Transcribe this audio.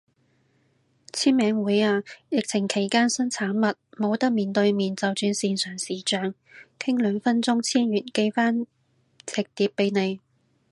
簽名會啊，疫情期間新產物，冇得面對面就轉線上視象，傾兩分鐘簽完寄返隻碟俾你